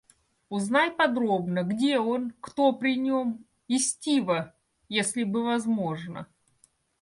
Узнай подробно, где он, кто при нем. И Стива... если бы возможно!